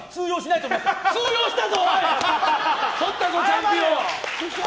とったぞ、チャンピオン。